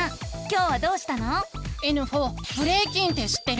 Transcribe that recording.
えぬふぉブレイキンって知ってる？